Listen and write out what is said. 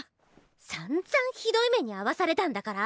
さんざんひどい目に遭わされたんだから。